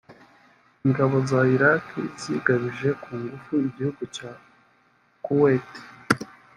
Ingabo za Iraqi zigabije ku ngufu igihugu cya Kuwait